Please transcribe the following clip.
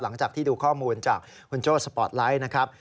หลังจากที่ดูข้อมูลจากคุณโจ้สปอร์ตไลท์นะครับ